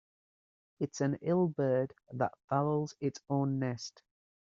It's an ill bird that fouls its own nest.